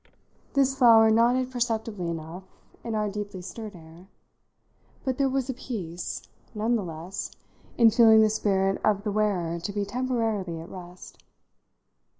This flower nodded perceptibly enough in our deeply stirred air, but there was a peace, none the less, in feeling the spirit of the wearer to be temporarily at rest.